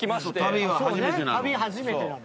旅は初めてなの。